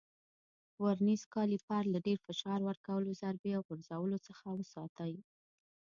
ورنیز کالیپر له ډېر فشار ورکولو، ضربې او غورځولو څخه وساتئ.